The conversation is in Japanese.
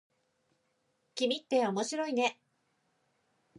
君って面白いね。